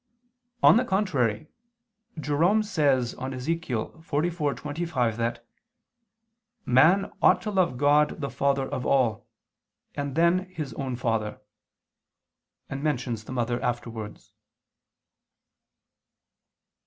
On the contrary, Jerome says on Ezech. 44:25 that "man ought to love God the Father of all, and then his own father," and mentions the mother afterwards.